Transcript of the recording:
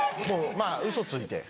まぁ嘘ついて。